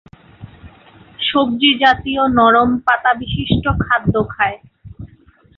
সবজি জাতীয় নরম পাতা বিশিষ্ট খাদ্য খায়।